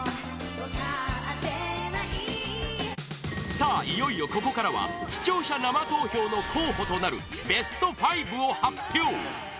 さあ、いよいよここからは視聴者生投票の候補となるベスト５を発表！